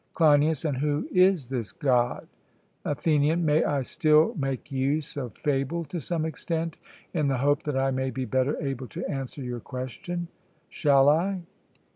CLEINIAS: And who is this God? ATHENIAN: May I still make use of fable to some extent, in the hope that I may be better able to answer your question: shall I?